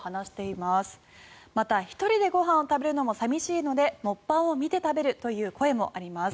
また、１人でご飯を食べるのも寂しいのでモッパンを見て食べるという声もあります。